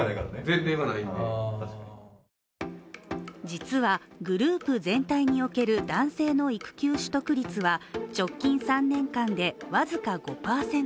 実はグループ全体における男性の育休取得率は直近３年間で僅か５％。